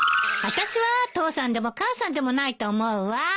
私は父さんでも母さんでもないと思うわ。